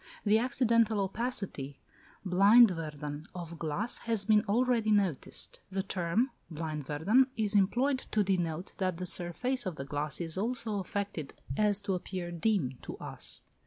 The accidental opacity (blindwerden) of glass has been already noticed: the term (blindwerden) is employed to denote that the surface of the glass is so affected as to appear dim to us.